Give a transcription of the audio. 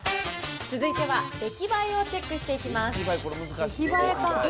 続いては出来栄えをチェックしていきます。